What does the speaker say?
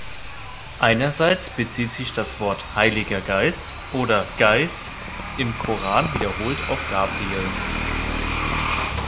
Einerseits bezieht sich das Wort „heiliger Geist“, oder „Geist“ im Koran wiederholt auf Gabriel.